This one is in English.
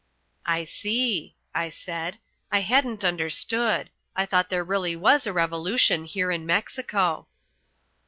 "I see," I said, "I hadn't understood. I thought there really was a revolution here in Mexico."